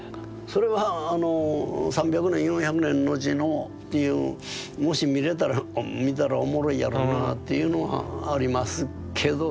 それはあの３００年４００年のちのっていうもし見れたら見たらおもろいやろなあっていうのはありますけど。